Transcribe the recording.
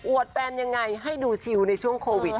แฟนยังไงให้ดูชิลในช่วงโควิด